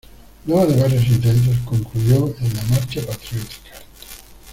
Luego de varios intentos, concluyó en la Marcha Patriótica.